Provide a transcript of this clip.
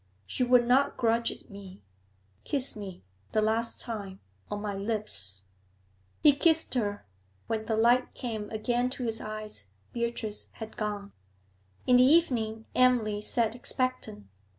'She would not grudge it me. Kiss me the last time on my lips!' He kissed her. When the light came again to his eyes, Beatrice had gone. In the evening Emily sat expectant.